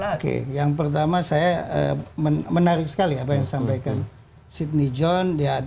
oke yang pertama saya menarik sekali apa yang disampaikan sydney john